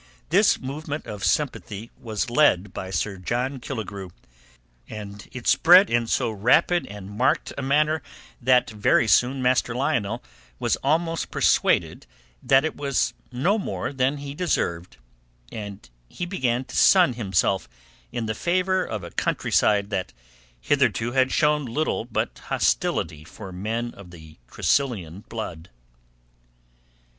This movement of sympathy was led by Sir John Killigrew, and it spread in so rapid and marked a manner that very soon Master Lionel was almost persuaded that it was no more than he deserved, and he began to sun himself in the favour of a countryside that hitherto had shown little but hostility for men of the Tressilian blood.